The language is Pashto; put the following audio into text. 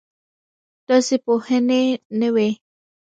داسې پوهنې نه وې.